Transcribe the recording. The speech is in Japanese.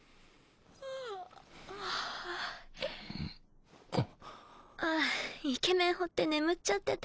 淵献絅鵝法あイケメンほって眠っちゃってた。